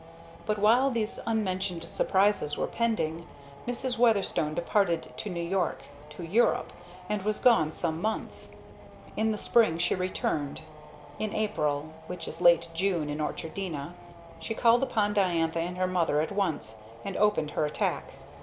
But while these unmentioned surprises were pending, Mrs. Weatherstone departed to New York to Europe; and was gone some months. In the spring she returned, in April which is late June in Orchardina. She called upon Diantha and her mother at once, and opened her attack.